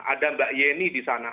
ada mbak yeni disana